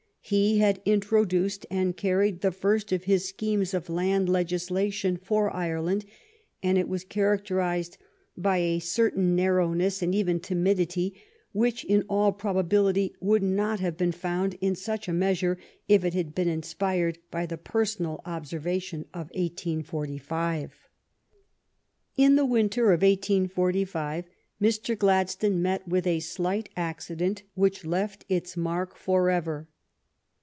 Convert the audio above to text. He had introduced and car ried the first of his schemes of land legislation for Ireland, and it was characterized by a certain nar rowness and even timidity which in all probability would not have been found in such a measure if it had been inspired by the personal observation of 1845. In the winter of 1845 Mr. Gladstone met with a slight accident which left its mark forever.